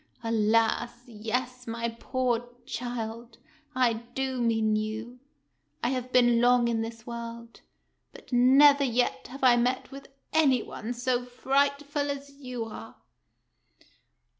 "Alas, yes, my poor child, I do mean you. I have been long in this world, but never yet have I met with any one so frightful as you are."